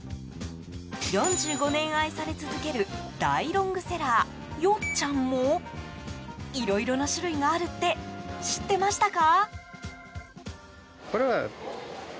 ４５年愛され続ける大ロングセラーよっちゃんもいろいろな種類があるって知ってましたか？